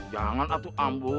jangan atuk ambu